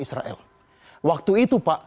israel waktu itu pak